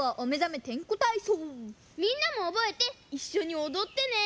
みんなもおぼえていっしょにおどってね！